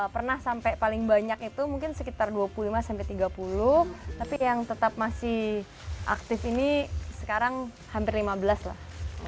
pernah sampai paling banyak itu mungkin sekitar dua puluh lima sampai tiga puluh tapi yang tetap masih aktif ini sekarang hampir lima belas lah